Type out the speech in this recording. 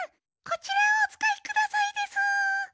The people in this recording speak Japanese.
こちらをおつかいくださいでスー。